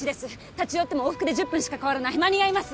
立ち寄っても往復で１０分しか変わらない間に合います！